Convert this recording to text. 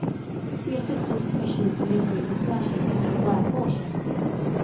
The Assistant Commissioner's delivery was leisurely, as it were cautious.